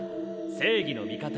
「正義の味方